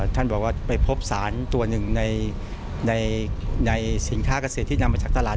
ท่านบอกว่าไปพบสารตัวหนึ่งในสินค้าเกษตรที่นำมาจากตลาด